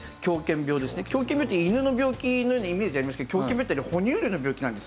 狂犬病って犬の病気のようなイメージありますけど狂犬病って哺乳類の病気なんです。